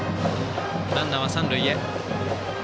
ランナーは三塁へ。